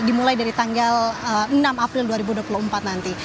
dimulai dari tanggal enam april dua ribu dua puluh empat nanti